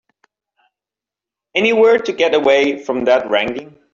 Anywhere to get away from that wrangling.